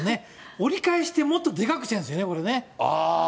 折り返してもっとでかくしてるんですよね、これね。